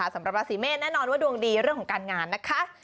สำหรับราศีเมษแน่นอนว่าดวงดีเรื่องของการงานนะคะ